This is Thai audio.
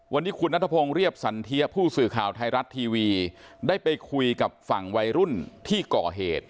วันนี้คุณนัทพงศ์เรียบสันเทียผู้สื่อข่าวไทยรัฐทีวีได้ไปคุยกับฝั่งวัยรุ่นที่ก่อเหตุ